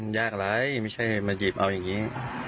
เอาอย่างนี้